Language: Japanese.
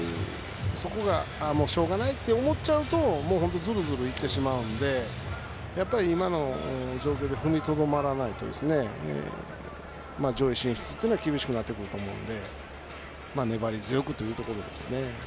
そこがしょうがないと思っちゃうと本当にズルズルといってしまうのでやっぱり今の状況で踏みとどまらないと上位進出は厳しくなってくると思うので粘り強くというところですね。